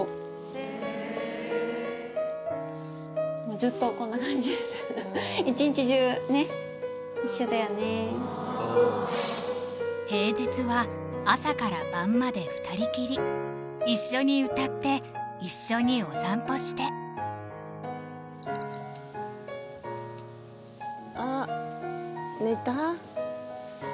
やっぱりねっ「平日は朝から晩まで２人きり一緒に歌って一緒にお散歩して」あっ寝た？